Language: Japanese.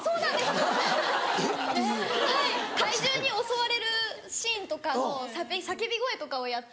怪獣に襲われるシーンとかの叫び声とかをやっていると。